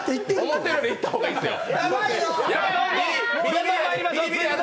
思ったよりいった方がいいですよ。